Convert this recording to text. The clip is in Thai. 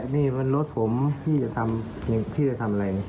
นี่มันรถผมพี่จะทำพี่จะทำอะไร